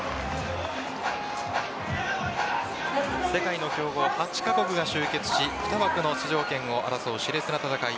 世界の強豪８カ国が集結し２枠の出場権を争う熾烈な戦い